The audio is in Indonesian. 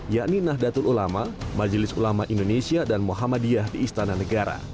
yakni nahdlatul ulama majelis ulama indonesia dan muhammadiyah di istana negara